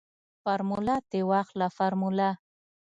فارموله تې واخله فارموله.